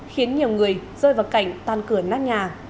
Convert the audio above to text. khiến nhiều người rơi vào cảnh tan cửa nát nhà